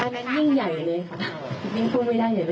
อันนั้นยิ่งใหญ่เลยค่ะยิ่งพูดไม่ได้เลยค่ะโทษนะคะ